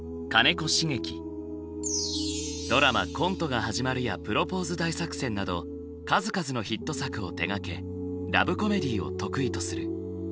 ドラマ「コントが始まる」や「プロポーズ大作戦」など数々のヒット作を手がけラブコメディーを得意とする。